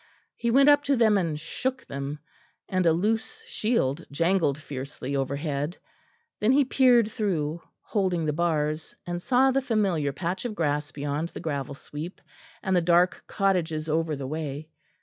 He went up to them and shook them; and a loose shield jangled fiercely overhead. Then he peered through, holding the bars, and saw the familiar patch of grass beyond the gravel sweep, and the dark cottages over the way.